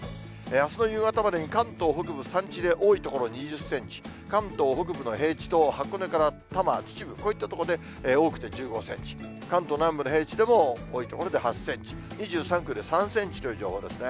あすの夕方までに関東北部山地で多い所２０センチ、関東北部の平地と箱根から多摩、秩父、こういった所で、多くて１５センチ、関東南部の平地でも多い所で８センチ、２３区で３センチという情報ですね。